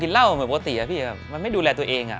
เหมือนปกติอะพี่มาไม่ดูแลตัวเองอะ